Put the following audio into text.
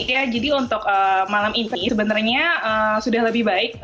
ya jadi untuk malam ini sebenarnya sudah lebih baik